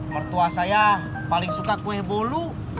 mertua saya paling suka kue bolu